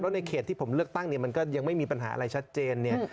ในเขตที่ผมเลือกตั้งเนี่ยมันก็ยังไม่มีปัญหาอะไรชัดเจนเนี่ย